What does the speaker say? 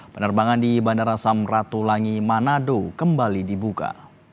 penerbangan di bandara samratulangi manado kembali dibuka